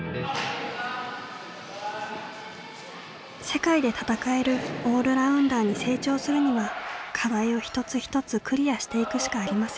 世界で戦えるオールラウンダーに成長するには課題を一つ一つクリアしていくしかありません。